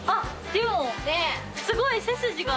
でも。